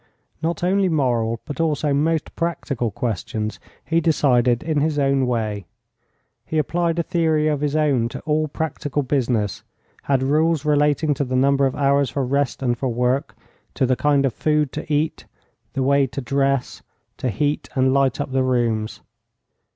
Not only moral, but also most practical questions he decided in his own way. He applied a theory of his own to all practical business, had rules relating to the number of hours for rest and for work, to the kind of food to eat, the way to dress, to heat and light up the rooms.